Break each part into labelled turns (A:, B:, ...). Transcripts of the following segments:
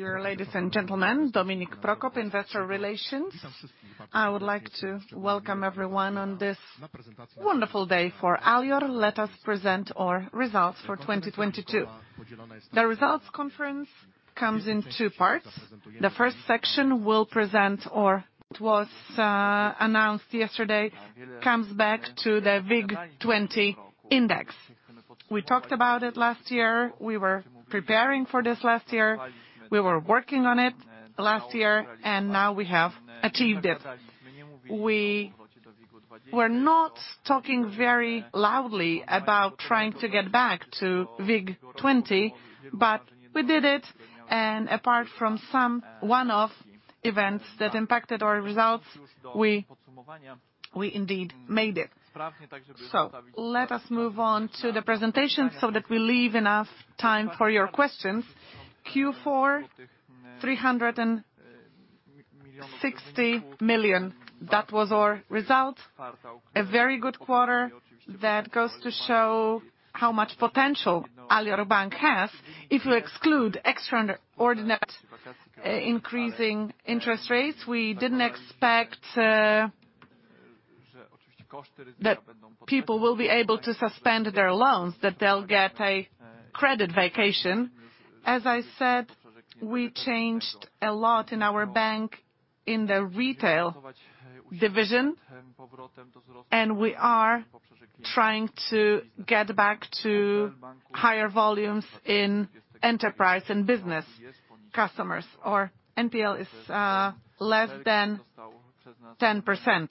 A: Dear ladies and gentlemen, Dominik Prokop, Investor Relations. I would like to welcome everyone on this wonderful day for Alior. Let us present our results for 2022. The results conference comes in two parts. The first section will present. It was announced yesterday, comes back to the WIG20 index. We talked about it last year. We were preparing for this last year. We were working on it last year. Now we have achieved it. We were not talking very loudly about trying to get back to WIG20, we did it, apart from some one-off events that impacted our results, we indeed made it. Let us move on to the presentation so that we leave enough time for your questions. Q4, 360 million. That was our result. A very good quarter that goes to show how much potential Alior Bank has. If you exclude extraordinary increasing interest rates, we didn't expect that people will be able to suspend their loans, that they'll get a credit vacation. As I said, we changed a lot in our bank in the retail division, and we are trying to get back to higher volumes in enterprise and business customers. Our NPL is less than 10%.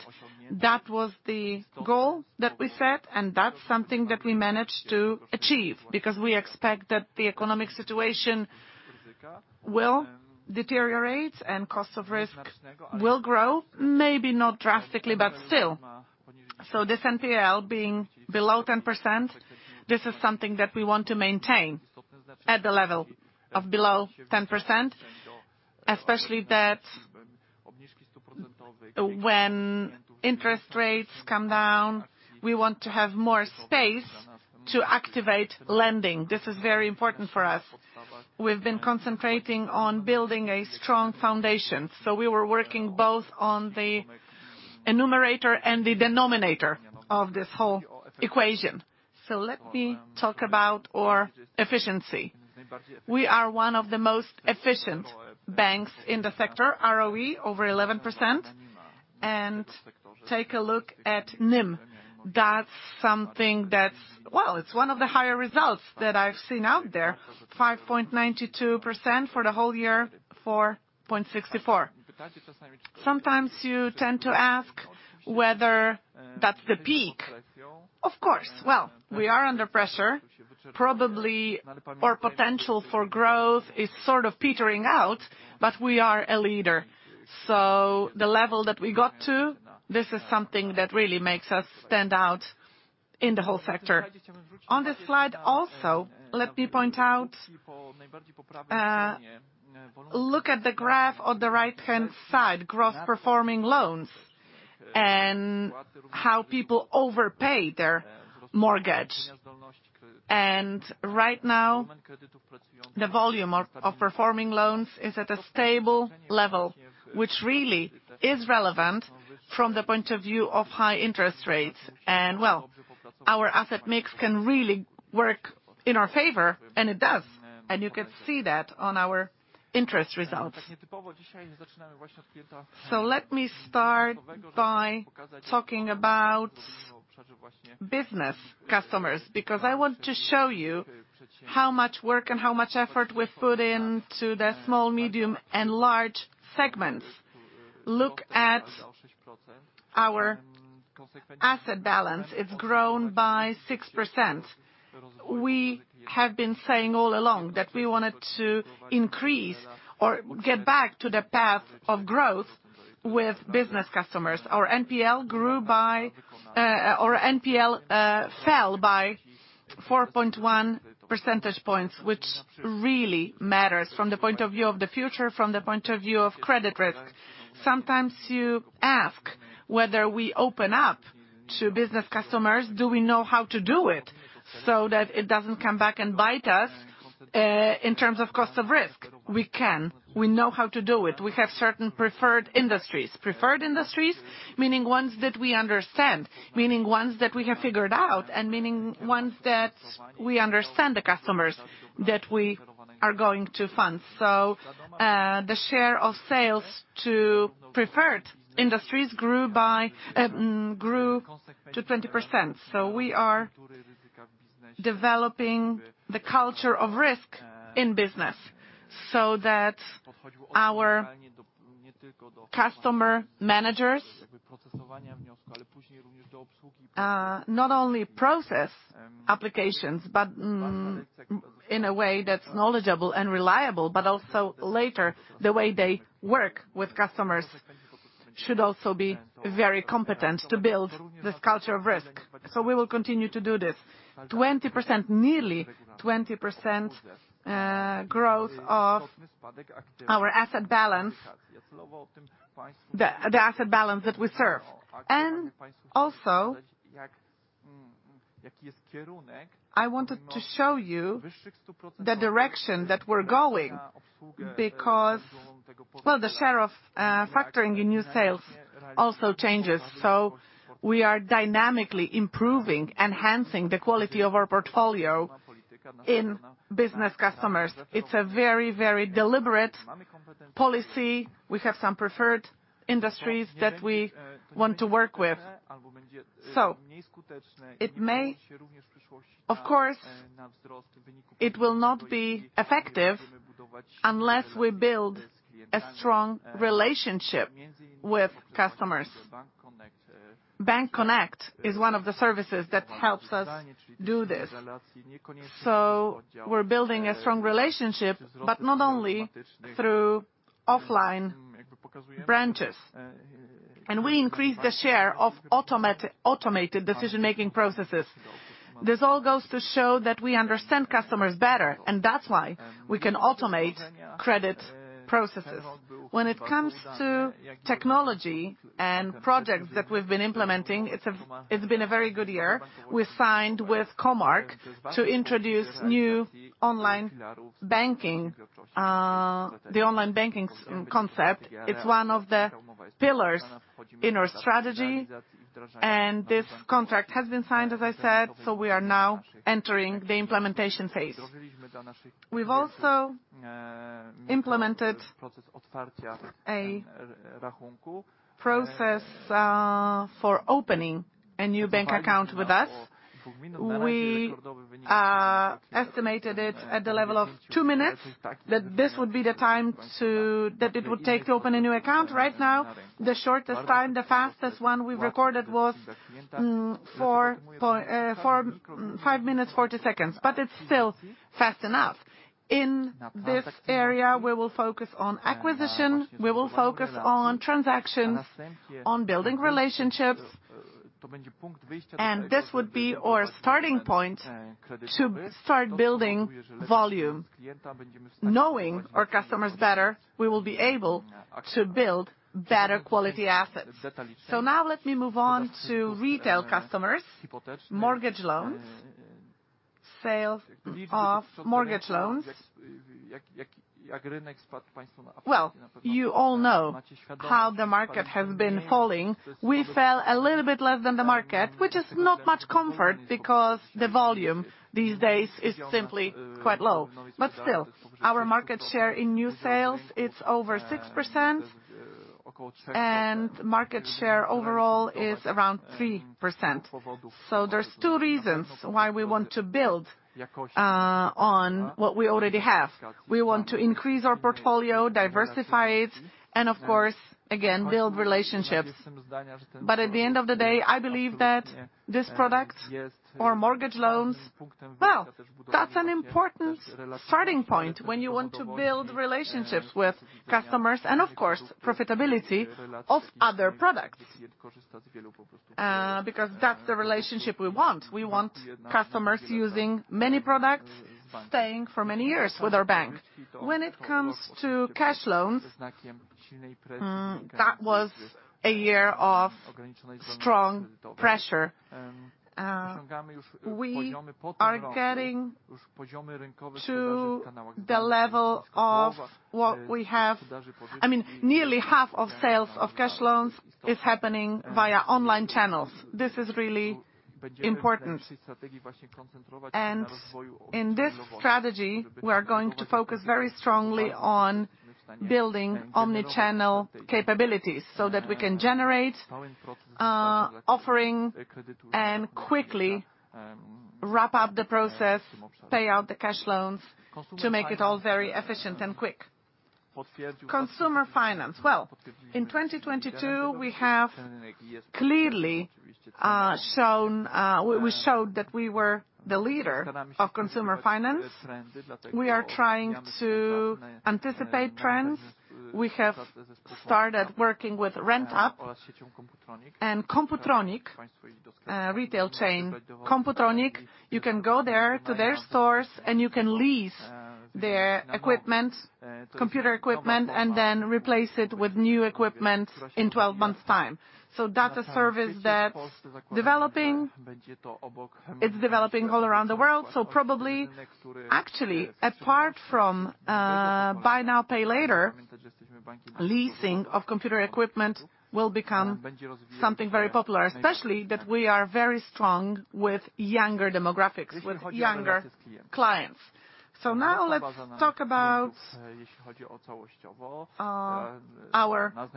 A: That was the goal that we set, and that's something that we managed to achieve because we expect that the economic situation will deteriorate and cost of risk will grow, maybe not drastically, but still. This NPL being below 10%, this is something that we want to maintain at the level of below 10%, especially that when interest rates come down, we want to have more space to activate lending. This is very important for us. We've been concentrating on building a strong foundation, so we were working both on the numerator and the denominator of this whole equation. Let me talk about our efficiency. We are one of the most efficient banks in the sector, ROE over 11%. Take a look at NIM. That's something. Well, it's one of the higher results that I've seen out there. 5.92% for the whole year, 4.64%. Sometimes you tend to ask whether that's the peak. Of course. Well, we are under pressure. Probably our potential for growth is sort of petering out, but we are a leader. The level that we got to, this is something that really makes us stand out in the whole sector. On this slide also, let me point out, look at the graph on the right-hand side, gross performing loans and how people overpay their mortgage. Right now, the volume of performing loans is at a stable level, which really is relevant from the point of view of high interest rates. Well, our asset mix can really work in our favor, and it does. You can see that on our interest results. Let me start by talking about business customers, because I want to show you how much work and how much effort we've put into the small, medium, and large segments. Look at our asset balance. It's grown by 6%. We have been saying all along that we wanted to increase or get back to the path of growth with business customers. Our NPL grew by... Our NPL fell by 4.1 percentage points, which really matters from the point of view of the future, from the point of view of credit risk. Sometimes you ask whether we open up to business customers, do we know how to do it so that it doesn't come back and bite us in terms of cost of risk? We can. We know how to do it. We have certain preferred industries. Preferred industries, meaning ones that we understand, meaning ones that we have figured out, and meaning ones that we understand the customers that we are going to fund. The share of sales to preferred industries grew to 20%. We are developing the culture of risk in business so that our customer managers not only process applications, but in a way that's knowledgeable and reliable, but also later, the way they work with customers should also be very competent to build this culture of risk. We will continue to do this. 20%, nearly 20%, growth of our asset balance, the asset balance that we serve. Also I wanted to show you the direction that we're going because, well, the share of factoring in new sales also changes. We are dynamically improving, enhancing the quality of our portfolio in business customers. It's a very deliberate policy. We have some preferred industries that we want to work with. It may, of course, it will not be effective unless we build a strong relationship with customers. BankConnect is one of the services that helps us do this. We're building a strong relationship, but not only through offline branches. We increase the share of automated decision-making processes. This all goes to show that we understand customers better, and that's why we can automate credit processes. When it comes to technology and projects that we've been implementing, it's been a very good year. We signed with Comarch to introduce new online banking. The online banking concept, it's one of the pillars in our strategy, and this contract has been signed, as I said, so we are now entering the implementation phase. We've also implemented a process for opening a new bank account with us. We estimated it at the level of two minutes, that this would be the time that it would take to open a new account. Right now, the shortest time, the fastest one we've recorded was 5 minutes 40 seconds. It's still fast enough. In this area, we will focus on acquisition, we will focus on transactions, on building relationships, and this would be our starting point to start building volume. Knowing our customers better, we will be able to build better quality assets. Now let me move on to retail customers, mortgage loans, sales of mortgage loans. You all know how the market has been falling. We fell a little bit less than the market, which is not much comfort because the volume these days is simply quite low. Still, our market share in new sales, it's over 6%, and market share overall is around 3%. There's two reasons why we want to build on what we already have.t We want to increase our portfolio, diversify it, and of course, again, build relationships. At the end of the day, I believe that this product or mortgage loans, well, that's an important starting point when you want to build relationships with customers and of course, profitability of other products. Because that's the relationship we want. We want customers using many products, staying for many years with our bank. When it comes to cash loans, that was a year of strong pressure. We are getting to the level of what we have. I mean, nearly half of sales of cash loans is happening via online channels. This is really important. In this strategy, we are going to focus very strongly on building omni-channel capabilities so that we can generate offering and quickly wrap up the process, pay out the cash loans to make it all very efficient and quick. Consumer finance. Well, in 2022, we have clearly shown, we showed that we were the leader of consumer finance. We are trying to anticipate trends. We have started working with RentUp and Komputronik retail chain. Komputronik, you can go there to their stores, and you can lease their equipment, computer equipment, and then replace it with new equipment in 12 months' time. That's a service that developing, it's developing all around the world. Probably, actually, apart from, buy now, pay later, leasing of computer equipment will become something very popular, especially that we are very strong with younger demographics, with younger clients. Now let's talk about, our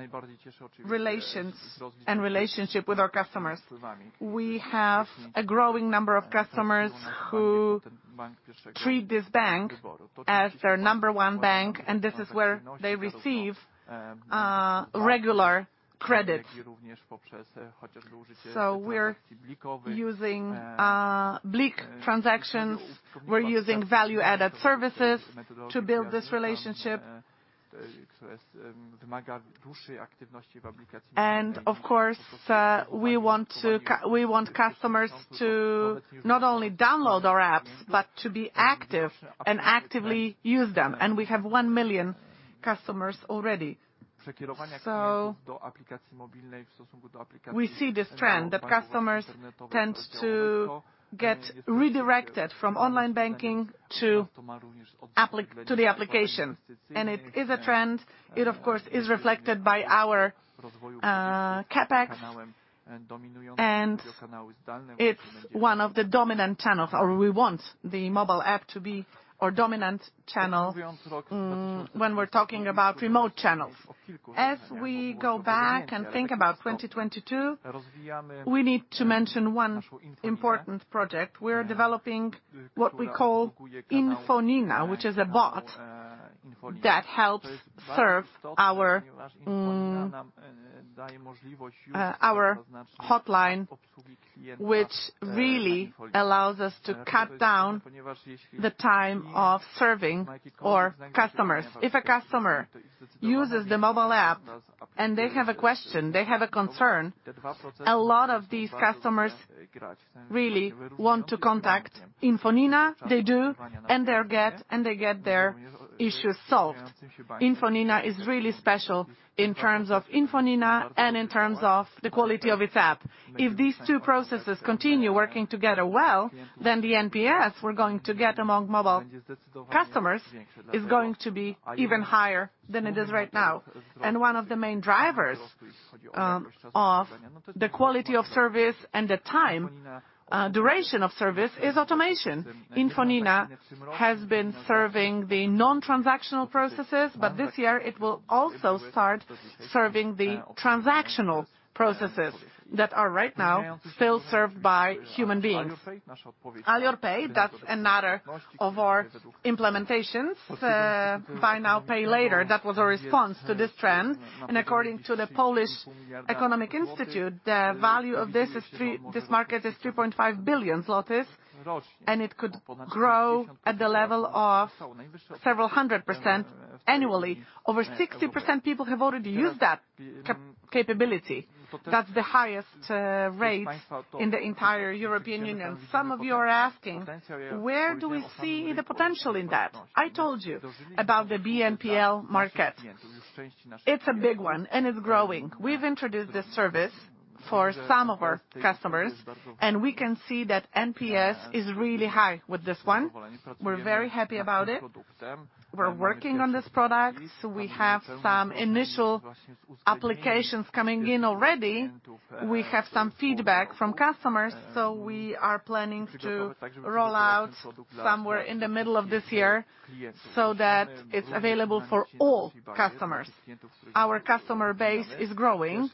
A: relations and relationship with our customers. We have a growing number of customers who treat this bank as their number one bank, and this is where they receive, regular credit. We're using, BLIK transactions, we're using value-added services to build this relationship. Of course, we want customers to not only download our apps, but to be active and actively use them, and we have 1 million customers already. We see this trend that customers tend to get redirected from online banking to the application. It is a trend. It, of course, is reflected by our, CapEx. It's one of the dominant channels, or we want the mobile app to be our dominant channel when we're talking about remote channels. As we go back and think about 2022, we need to mention one important project. We're developing what we call InfoNina, which is a bot that helps serve our hotline, which really allows us to cut down the time of serving our customers. If a customer uses the mobile app and they have a question, they have a concern, a lot of these customers really want to contact InfoNina. They do, and they get their issues solved. InfoNina is really special in terms of InfoNina and in terms of the quality of its app. If these two processes continue working together well, then the NPS we're going to get among mobile customers is going to be even higher than it is right now. One of the main drivers of the quality of service and the time duration of service is automation. InfoNina has been serving the non-transactional processes, this year it will also start serving the transactional processes that are right now still served by human beings. Alior Pay, that's another of our implementations. Buy now, pay later. That was a response to this trend. According to the Polish Economic Institute, this market is 3.5 billion zlotys, and it could grow at the level of several hundred % annually. Over 60% people have already used that capability. That's the highest rates in the entire European Union. Some of you are asking, where do we see the potential in that? I told you about the BNPL market. It's a big one, and it's growing. We've introduced this service for some of our customers, and we can see that NPS is really high with this one.
B: We're very happy about it.
A: We're working on this product. We have some initial applications coming in already. We have some feedback from customers. We are planning to roll out somewhere in the middle of this year so that it's available for all customers. Our customer base is growing.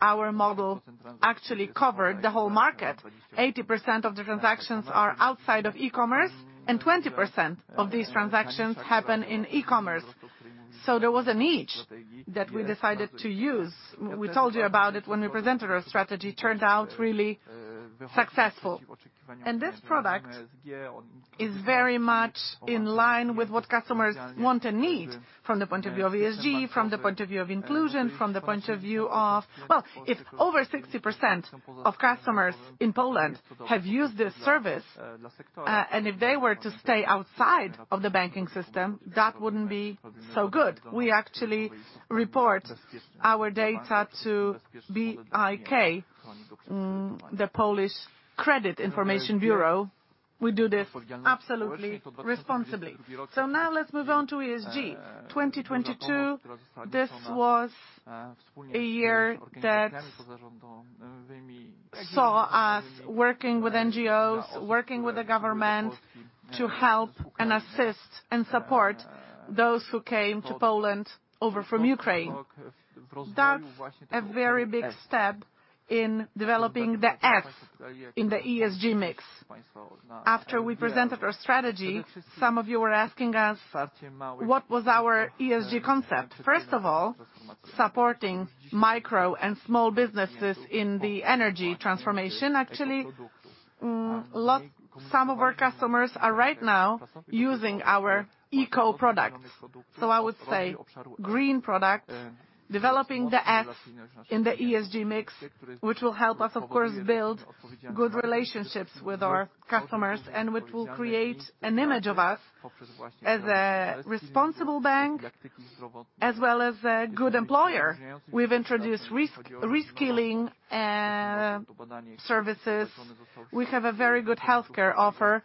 A: Our model actually covered the whole market. 80% of the transactions are outside of e-commerce, and 20% of these transactions happen in e-commerce. There was a niche that we decided to use. We told you about it when we presented our strategy. Turned out really successful. This product is very much in line with what customers want and need from the point of view of ESG, from the point of view of inclusion, from the point of view of Well, if over 60% of customers in Poland have used this service, and if they were to stay outside of the banking system, that wouldn't be so good. We actually report our data to BIK, the Polish Credit Information Bureau. We do this absolutely responsibly. Now let's move on to ESG. 2022, this was a year that saw us working with NGOs, working with the government to help and assist and support those who came to Poland over from Ukraine. That's a very big step in developing the S in the ESG mix. After we presented our strategy, some of you were asking us what was our ESG concept. Supporting micro and small businesses in the energy transformation. Actually, Some of our customers are right now using our eco products. I would say green products, developing the F in the ESG mix, which will help us, of course, build good relationships with our customers and which will create an image of us as a responsible bank as well as a good employer. We've introduced reskilling services. We have a very good healthcare offer.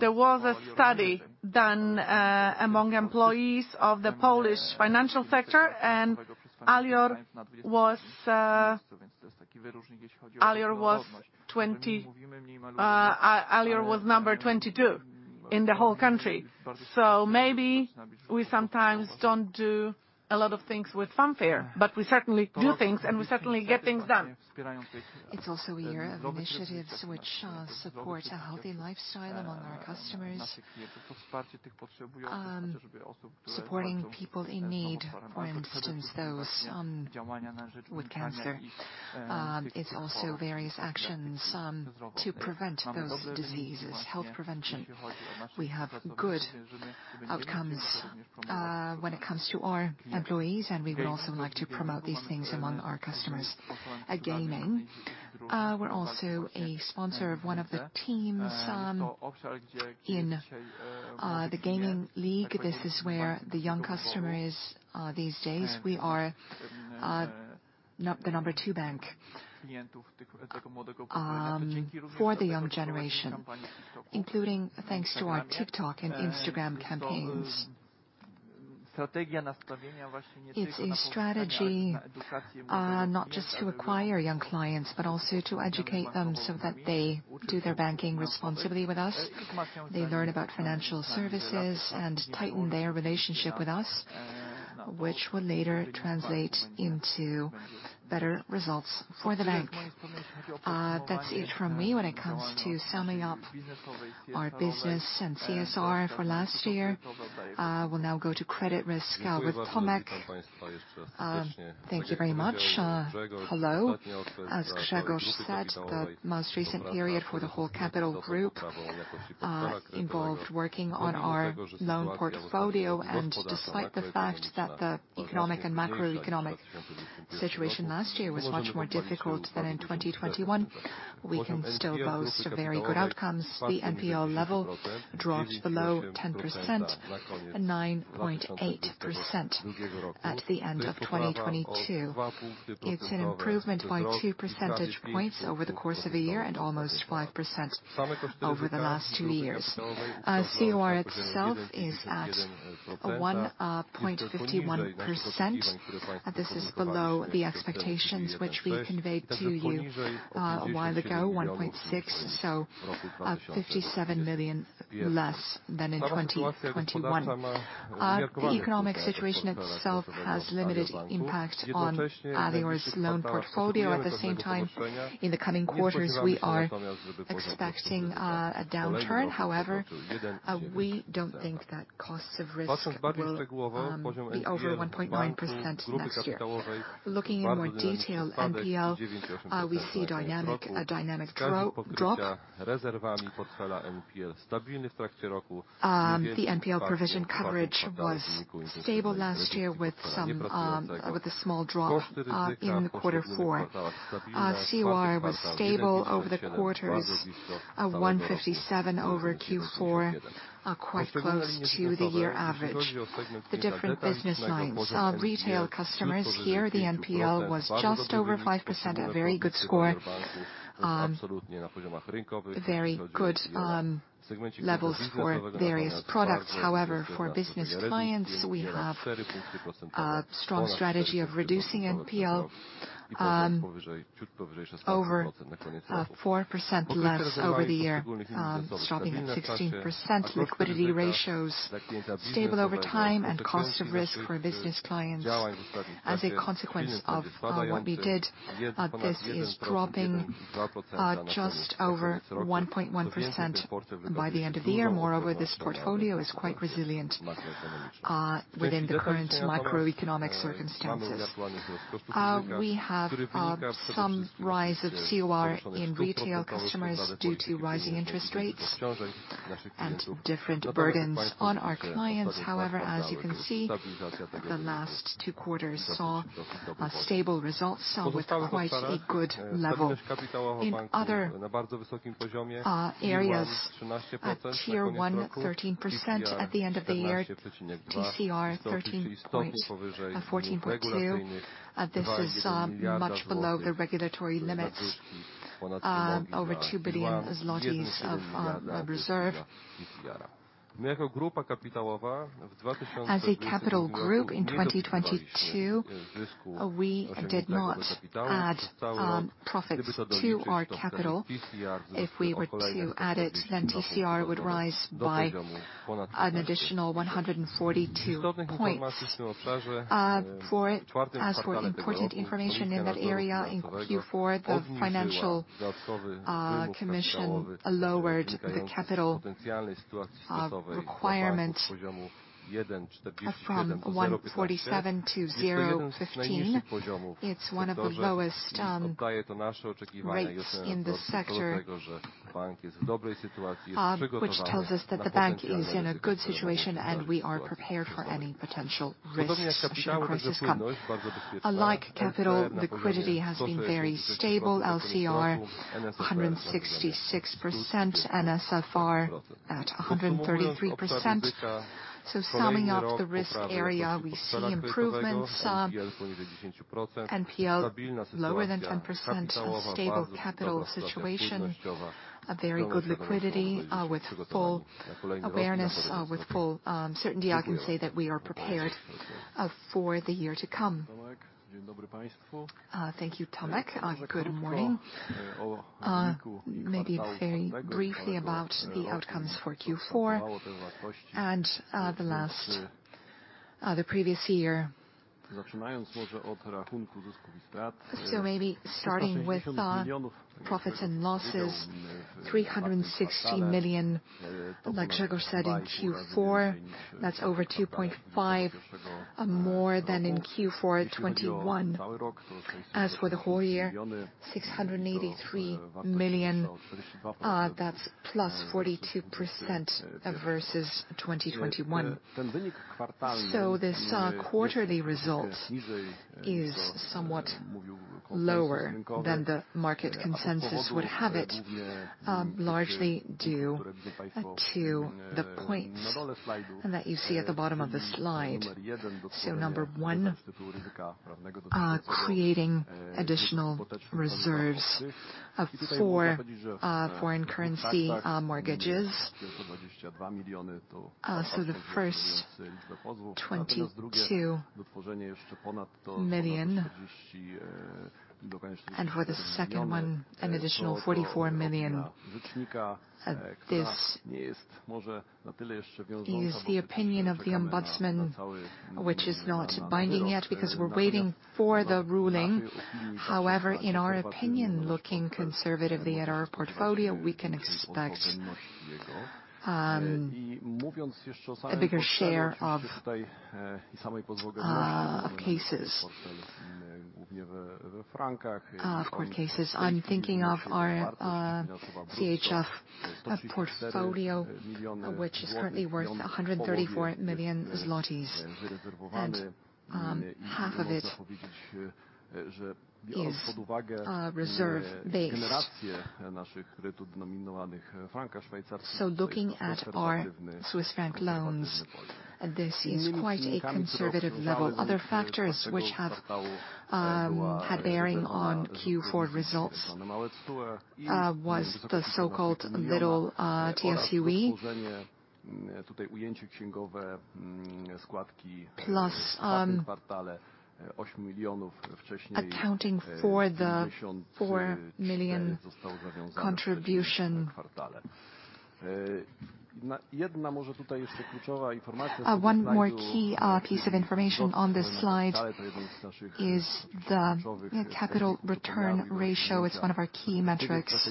A: There was a study done among employees of the Polish financial sector, and Alior was, Alior was 20, Alior was number 22. In the whole country. Maybe we sometimes don't do a lot of things with fanfare, but we certainly do things, and we certainly get things done. It's also a year of initiatives which support a healthy lifestyle among our customers. Supporting people in need, for instance, those with cancer. It's also various actions to prevent those diseases, health prevention. We have good outcomes when it comes to our employees, and we would also like to promote these things among our customers. At gaming, we're also a sponsor of one of the teams in the Gaming League. This is where the young customer is these days. We are the number two bank for the young generation, including thanks to our TikTok and Instagram campaigns. It's a strategy, not just to acquire young clients but also to educate them so that they do their banking responsibly with us. They learn about financial services and tighten their relationship with us, which will later translate into better results for the bank. That's it from me when it comes to summing up our business and CSR for last year. We'll now go to credit risk with Tomek. Thank you very much. Hello. As Grzegorz said, the most recent period for the whole Capital Group involved working on our loan portfolio. Despite the fact that the economic and macroeconomic situation last year was much more difficult than in 2021, we can still boast of very good outcomes.
B: The NPL level dropped below 10%, 9.8% at the end of 2022. It's an improvement by 2% points over the course of a year and almost 5% over the lasttwo years. COR itself is at 1.51%. This is below the expectations which we conveyed to you a while ago, 1.6%. 57 million less than in 2021. The economic situation itself has limited impact on their loan portfolio. At the same time, in the coming quarters, we are expecting a downturn. We don't think that costs of risk will be over 1.9% next year. Looking in more detail at NPL, we see a dynamic drop. The NPL provision coverage was stable last year with some with a small drop in the quarter four. COR was stable over the quarters, 1.57 over Q4, quite close to the year average. The different business lines. Retail customers here, the NPL was just over 5%, a very good score. Very good levels for various products. However, for business clients, we have a strong strategy of reducing NPL, over 4% less over the year, stopping at 16%. Liquidity ratios stable over time, and cost of risk for business clients as a consequence of what we did. This is dropping just over 1.1% by the end of the year. Moreover, this portfolio is quite resilient within the current macroeconomic circumstances. We have some rise of COR in retail customers due to rising interest rates and different burdens on our clients.
A: As you can see, the last 2 quarters saw stable results. We're quite a good level. In other areas at Tier 1, 13% at the end of the year. TCR, 13.142. This is much below the regulatory limits. Over 2 billion zlotys of reserve. A Capital Group in 2022, we did not add profits to our capital. If we were to add it, TCR would rise by an additional 142 points. As for important information in that area, in Q4, the financial commission lowered the capital requirement from 147 to 0.15. It's one of the lowest rates in the sector, which tells us that the bank is in a good situation, and we are prepared for any potential risks should crisis come. Alike capital, liquidity has been very stable. LCR, 166%. NSFR at 133%. Summing up the risk area, we see improvements. NPL lower than 10%. Stable capital situation. A very good liquidity, with full awareness. With full certainty, I can say that we are prepared for the year to come. Thank you, Tomek. Good morning. Maybe very briefly about the outcomes for Q4 and the last, the previous year. Maybe starting with profits and losses, 360 million, like Grzegorz said, in Q4. That's over 2.5 more than in Q4 2021. For the whole year, 683 million, that's +42% versus 2021. This quarterly result is somewhat lower than the market consensus would have it, largely due to the points that you see at the bottom of the slide. Number one, creating additional reserves for foreign currency mortgages.
B: The first 22 million. For the second one, an additional 44 million. This is the opinion of the Ombudsman, which is not binding yet because we're waiting for the ruling. In our opinion, looking conservatively at our portfolio, we can expect a bigger share of cases. Of course, cases, I'm thinking of our CHF portfolio, which is currently worth 134 million zlotys. And half of it is reserve base. Looking at our Swiss franc loans, this is quite a conservative level. Other factors which have had bearing on Q4 results was the so-called little TSUE. Plus, accounting for the 4 million contribution. One more key piece of information on this slide is the capital return ratio. It's one of our key metrics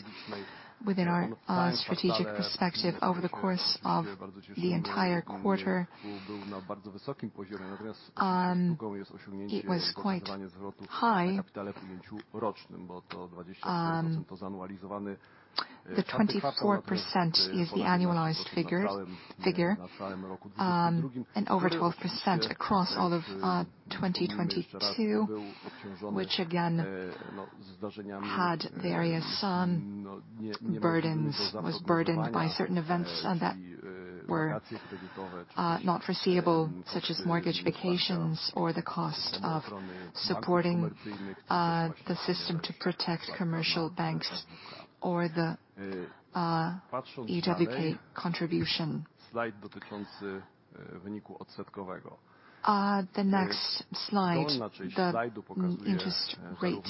B: within our strategic perspective. Over the course of the entire quarter, it was quite high. The 24% is the annualized figure. Over 12% across all of 2022, which again had various burdens. Was burdened by certain events that were not foreseeable, such as mortgage vacations or the cost of supporting the system to protect commercial banks or the EWP contribution. The next slide, the interest rate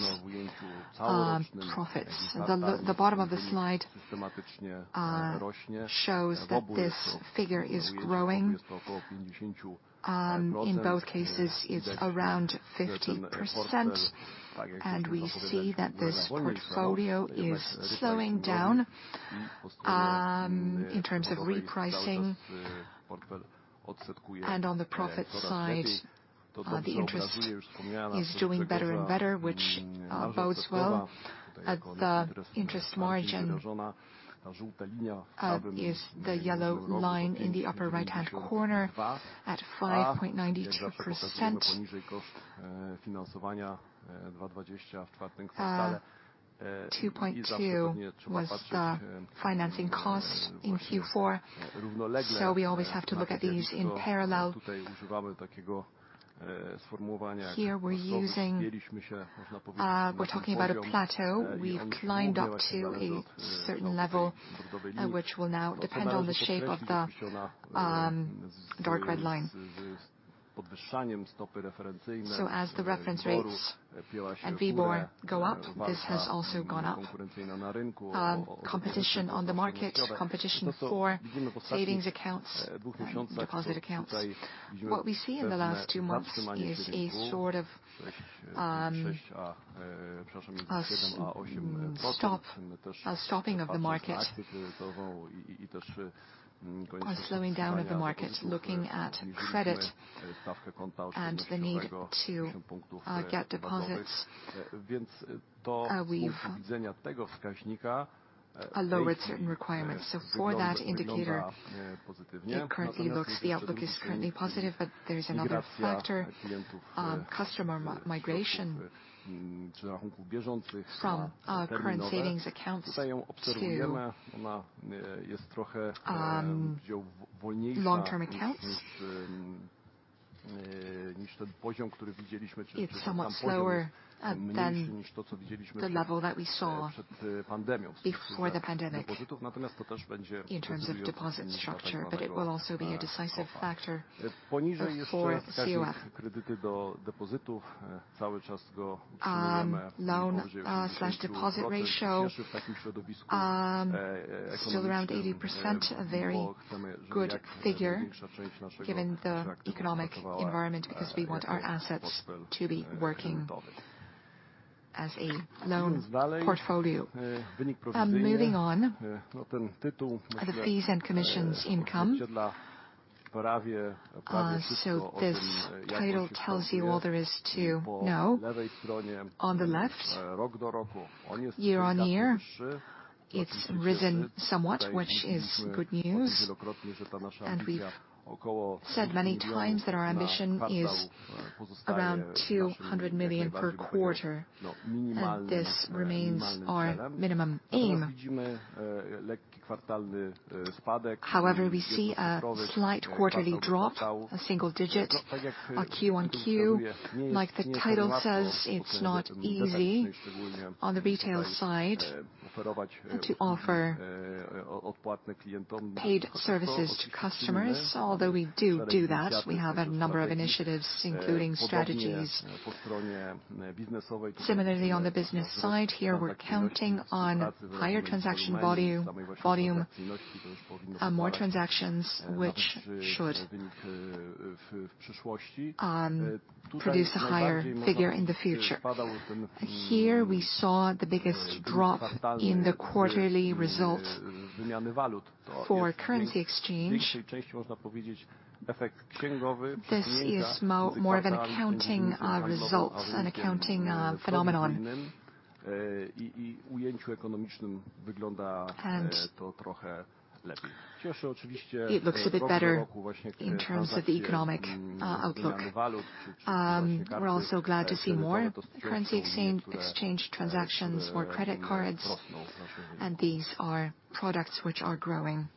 B: profits. The bottom of the slide shows that this figure is growing. In both cases it's around 50%, and we see that this portfolio is slowing down in terms of repricing. On the profit side, the interest is doing better and better, which bodes well. The interest margin is the yellow line in the upper right-hand corner at 5.92%. 2.2% was the financing cost in Q4, so we always have to look at these in parallel. Here we're talking about a plateau. We've climbed up to a certain level, which will now depend on the shape of the dark red line. As the reference rates and WIBOR go up, this has also gone up. Competition on the market, competition for savings accounts, deposit accounts. What we see in the last two months is a sort of stopping of the market. A slowing down of the market, looking at credit and the need to get deposits. We've lowered certain requirements. For that indicator, the outlook is currently positive, but there's another factor, customer migration from current savings accounts to long-term accounts. It's somewhat slower than the level that we saw before the pandemic in terms of deposit structure. It will also be a decisive factor for COF. Loan/deposit ratio still around 80%. A very good figure given the economic environment, because we want our assets to be working as a loan portfolio. Moving on. The fees and commissions income. This title tells you all there is to know. On the left, year-on-year, it's risen somewhat, which is good news. We've said many times that our ambition is around 200 million per quarter, and this remains our minimum aim. However, we see a slight quarterly drop, a single-digit QoQ. Like the title says, it's not easy on the retail side to offer paid services to customers, although we do that. We have a number of initiatives, including synergies. Similarly, on the business side, here we're counting on higher transaction volume, more transactions, which should produce a higher figure in the future. Here we saw the biggest drop in the quarterly result for currency exchange. This is more of an accounting result, an accounting phenomenon. It looks a bit better in terms of the economic outlook. We're also glad to see more currency exchange transactions, more credit cards, and these are products which are growing.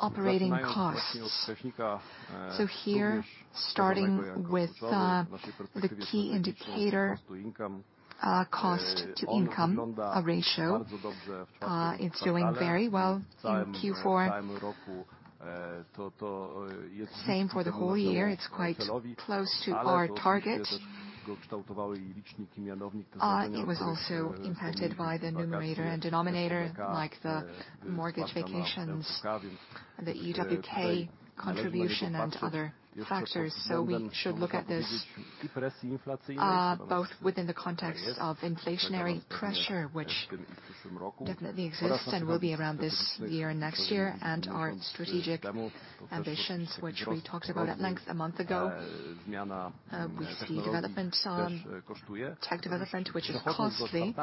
B: Operating costs. Here, starting with the key indicator, Cost-to-Income Ratio, it's doing very well in Q4. Same for the whole year. It's quite close to our target. It was also impacted by the numerator and denominator, like the mortgage vacations, the FWK contribution, and other factors. We should look at this both within the context of inflationary pressure, which definitely exists and will be around this year and next year, and our strategic ambitions, which we talked about at length a month ago. We see development on tech development, which is costly.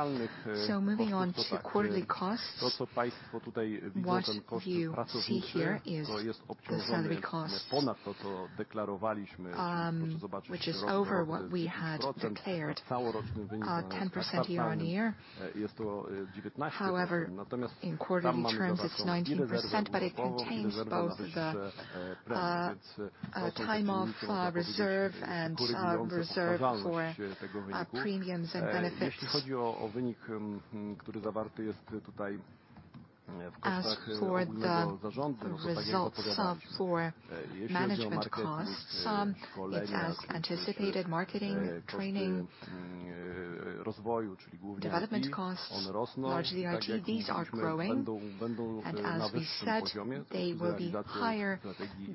B: Moving on to quarterly costs, what you see here is the salary costs, which is over what we had declared, 10% year-on-year. However, in quarterly terms, it's 19%, but it contains both the time off reserve and reserve for premiums and benefits. As for the results for management costs, it's as anticipated, marketing, training, development costs, largely IT. These are growing. As we said, they will be higher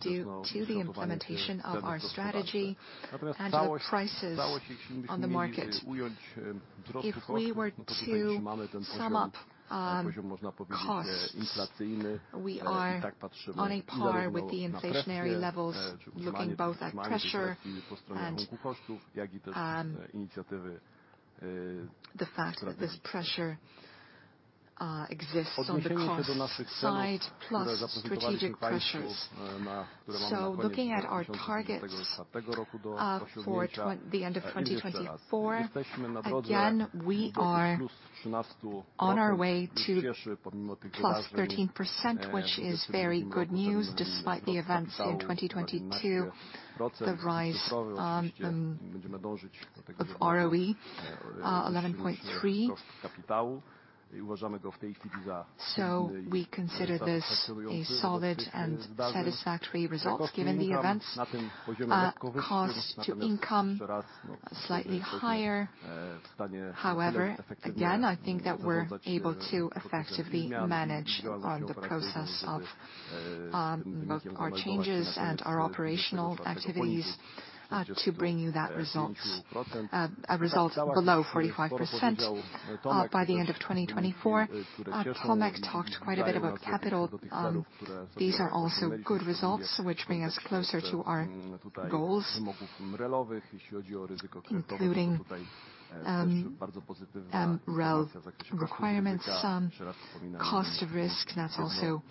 B: due to the implementation of our strategy and the prices on the market. If we were to sum up costs, we are on a par with the inflationary levels, looking both at pressure and the fact that this pressure exists on the cost side, plus strategic pressures.
A: Looking at our targets, for the end of 2024, again, we are on our way to +13%, which is very good news despite the events in 2022. The rise of ROE, 11.3%. We consider this a solid and satisfactory result given the events. Cost to income, slightly higher. However, again, I think that we're able to effectively manage on the process of both our changes and our operational activities to bring you that results. A result below 45% by the end of 2024. Tomek talked quite a bit about capital. These are also good results which bring us closer to our goals, including MREL requirements. Cost of risk, that's also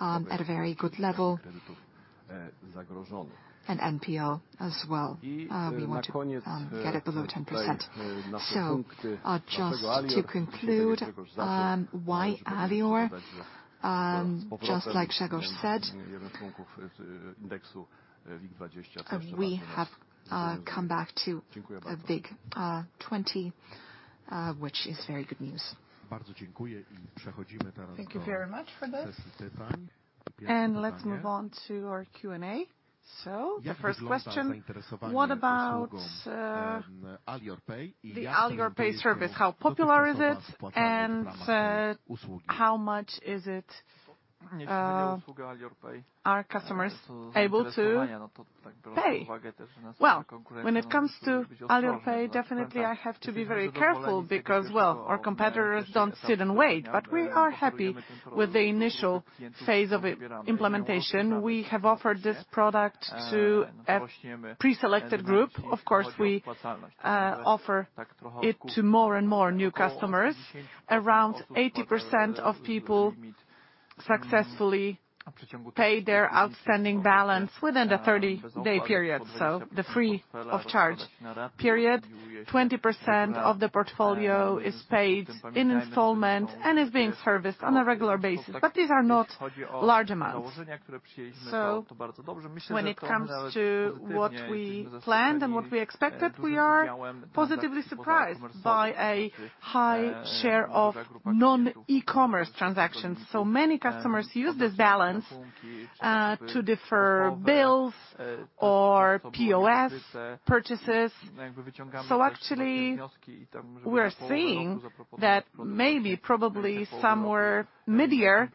A: at a very good level. NPL as well. We want to get it below 10%. Just to conclude, why Alior? Just like Grzegorz said, we have come back to a big 20 Which is very good news. Bardzo dziękuję i przechodzimy teraz do Thank you very much for this sesji pytań. Let's move on to our Q&A. The first question, what about the Alior Pay service? How popular is it? How much is it, are customers able to pay? Well, when it comes to Alior Pay, definitely I have to be very careful because, well, our competitors don't sit and wait. We are happy with the initial phase of implementation. We have offered this product to a preselected group. Of course, we offer it to more and more new customers. Around 80% of people successfully pay their outstanding balance within the 30-day period, so the free of charge period. 20% of the portfolio is paid in installments and is being serviced on a regular basis. These are not large amounts. When it comes to what we planned and what we expected, we are positively surprised by a high share of non-e-commerce transactions. Many customers use this balance to defer bills or POS purchases. Actually, we are seeing that maybe probably somewhere mid-year,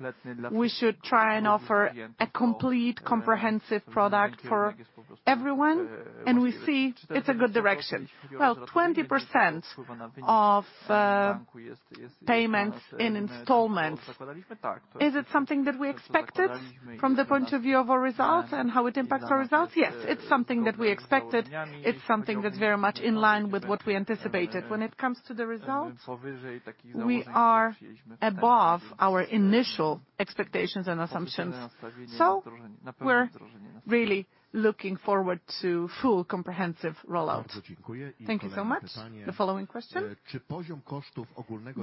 A: we should try and offer a complete comprehensive product for everyone, and we see it's a good direction. 20% of payments in installments, is it something that we expected from the point of view of our results and how it impacts our results? Yes, it's something that we expected. It's something that's very much in line with what we anticipated. When it comes to the results, we are above our initial expectations and assumptions, so we're really looking forward to full comprehensive rollout. Thank you so much. The following question.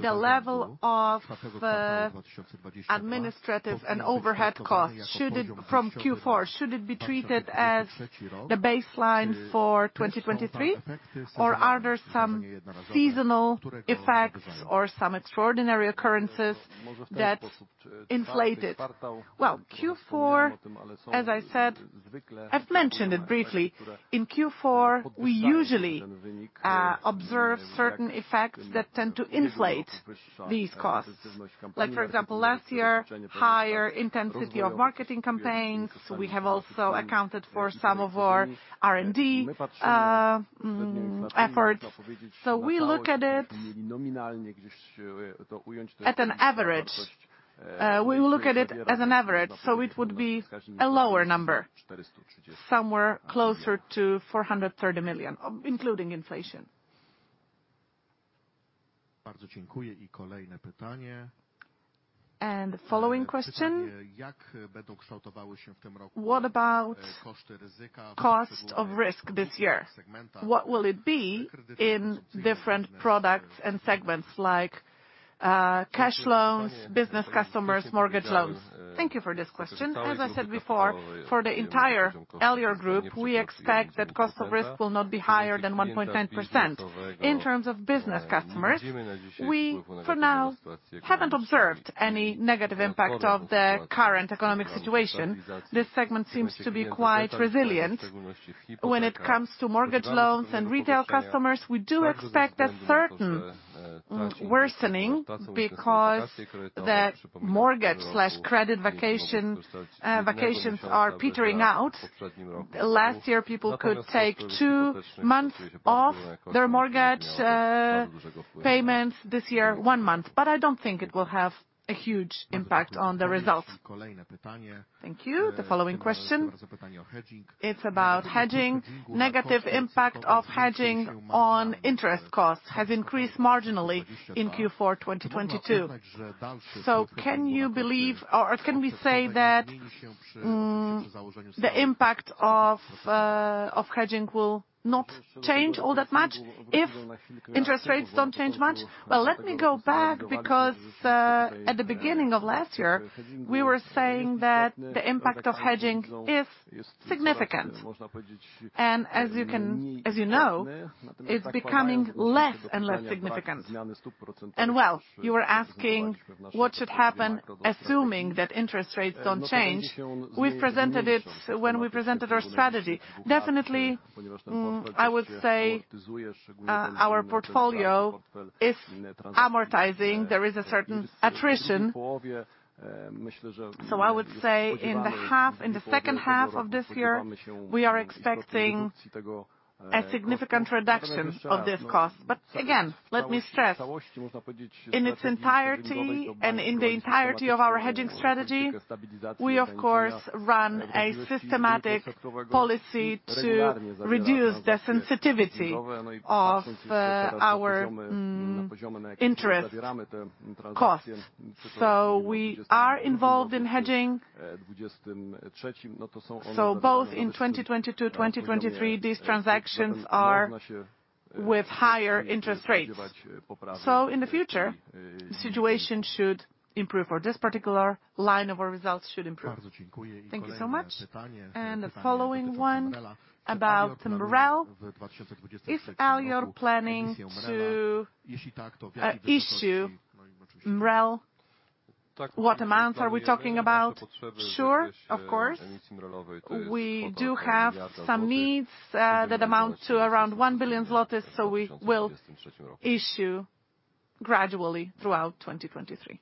A: The level of administrative and overhead costs from Q4, should it be treated as the baseline for 2023, or are there some seasonal effects or some extraordinary occurrences that inflate it? Well, Q4, as I said, I've mentioned it briefly. In Q4, we usually observe certain effects that tend to inflate these costs. Like, for example, last year, higher intensity of marketing campaigns. We have also accounted for some of our R&D efforts. We look at it at an average. We look at it as an average, so it would be a lower number, somewhere closer to 430 million, including inflation. Bardzo dziękuję. I kolejne pytanie. The following question. What about cost of risk this year? What will it be in different products and segments like cash loans, business customers, mortgage loans? Thank you for this question. As I said before, for the entire Alior Group, we expect that cost of risk will not be higher than 1.9%. In terms of business customers, we, for now, haven't observed any negative impact of the current economic situation. This segment seems to be quite resilient. When it comes to mortgage loans and retail customers, we do expect a certain worsening because the mortgage/credit vacation vacations are petering out. Last year, people could take two months off their mortgage payments. This year, one month. I don't think it will have a huge impact on the results. Thank you. The following question, it's about hedging. Negative impact of hedging on interest costs has increased marginally in Q4, 2022. Can you believe or can we say that the impact of hedging will not change all that much if interest rates don't change much? Well, let me go back because at the beginning of last year, we were saying that the impact of hedging is significant.
B: As you know, it's becoming less and less significant. Well, you are asking what should happen, assuming that interest rates don't change. We've presented it when we presented our strategy. Definitely, I would say, our portfolio is amortizing. There is a certain attrition. I would say in the second half of this year, we are expecting a significant reduction of this cost. Again, let me stress, in its entirety and in the entirety of our hedging strategy, we of course run a systematic policy to reduce the sensitivity of our interest costs. We are involved in hedging. Both in 2022, 2023, these transactions are with higher interest rates. In the future, the situation should improve or this particular line of our results should improve. Thank you so much. The following one about MREL. Is Alior planning to issue MREL? What amounts are we talking about? Sure, of course. We do have some needs that amount to around 1 billion zlotys. We will issue gradually throughout 2023.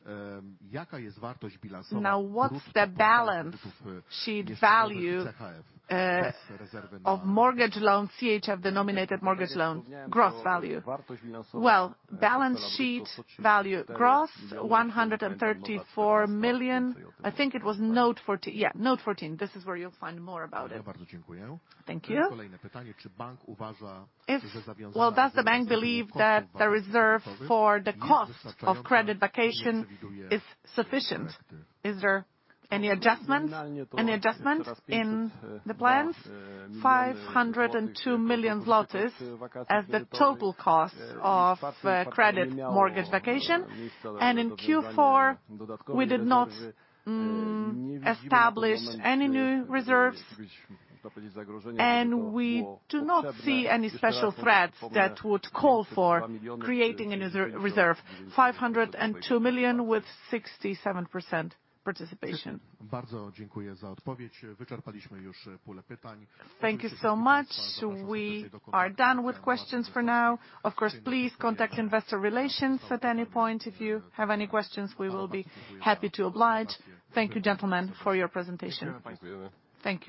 B: Bardzo dziękuję. I kolejne pytanie. What's the balance sheet value of mortgage loans, CHF-denominated mortgage loans, gross value? Balance sheet value, gross 134 million. I think it was note 14. Yeah, note 14. This is where you'll find more about it.
A: Thank you. Well, does the bank believe that the reserve for the cost of credit vacation is sufficient? Is there any adjustment in the plans? 502 million zlotys as the total cost of credit mortgage vacation. In Q4, we did not establish any new reserves, and we do not see any special threats that would call for creating a reserve. 502 million with 67% participation. Bardzo dziękuję za odpowiedź. Wyczerpaliśmy już pulę pytań. Thank you so much. We are done with questions for now. Of course, please contact Investor Relations at any point. If you have any questions, we will be happy to oblige. Thank you, gentlemen, for your presentation. Dziękujemy. Thank you.